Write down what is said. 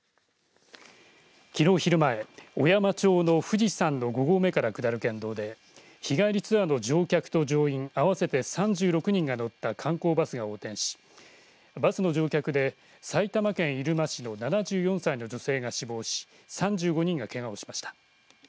きのう昼前小山町の富士山の五合目から下る県道で日帰りツアーの乗客と乗員合わせて３６人が乗った観光バスが横転し、バスの乗客で埼玉県入間市の７４歳の女性が死亡し３５人が、けがをしました。